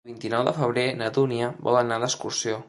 El vint-i-nou de febrer na Dúnia vol anar d'excursió.